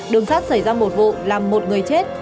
đường sắt xảy ra một vụ làm một người chết